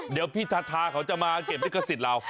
เดี๋ยวพี่ทาทาเขาจะมาเก็บลิขสิทธิ์เรา